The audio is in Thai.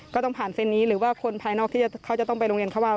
ก็ต้องผ่านเซ็นนี้หรือว่าคนภายนอกที่เขาจะต้องไปโรงเรียนเขาว่า